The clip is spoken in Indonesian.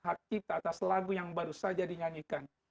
nah mbak desi punya hak cipta atas lagu yang baru saja dinyanyikan